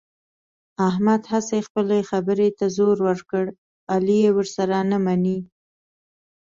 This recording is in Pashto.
احمد هسې خپلې خبرې ته زور ور کړ، علي یې ورسره نه مني.